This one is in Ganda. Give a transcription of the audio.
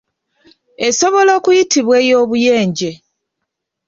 Esobola okuyitibwa ey'obuyenje.